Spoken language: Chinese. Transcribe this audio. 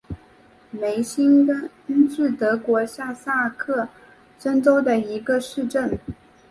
梅辛根是德国下萨克森州的一个市镇。